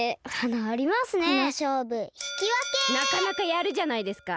なかなかやるじゃないですか。